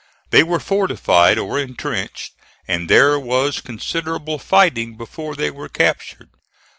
They were fortified or intrenched, and there was considerable fighting before they were captured.